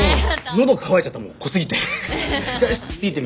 喉渇いちゃったもん濃すぎて。